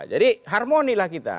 jadi harmonilah kita